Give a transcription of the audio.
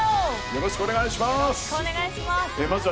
よろしくお願いします。